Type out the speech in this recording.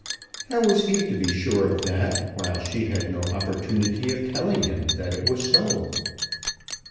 How was he to be sure of that while she had no opportunity of telling him that it was so?